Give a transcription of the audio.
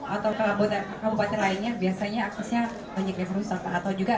atau kabupaten kota lainnya biasanya aksesnya banyak yang berusaha atau juga